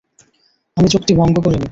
আমি চুক্তি ভঙ্গ করিনি।